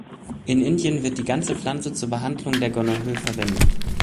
In Indien wird die ganze Pflanze zur Behandlung der Gonorrhoe verwendet.